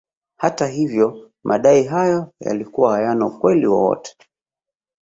Hata hivyo madai hayo yalikuwa hayana ukweli wowote